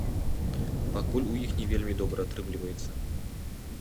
Пакуль у іх не вельмі добра атрымліваецца.